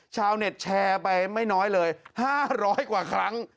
ชาวเน็ตแชร์ไปไม่น้อยเลย๕๐๐กว่าครั้ง